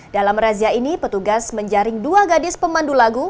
dalam razia ini petugas menjaring dua gadis pemandu lagu